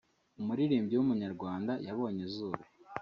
umuririmbyi w’umunyarwanda yabonye izuba